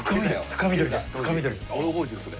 俺覚えてるそれ。